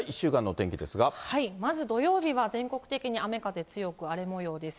まず土曜日は、全国的に雨風強く、荒れもようです。